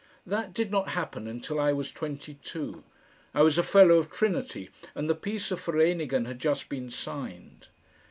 That did not happen until I was twenty two. I was a fellow of Trinity, and the Peace of Vereeniging had just been signed.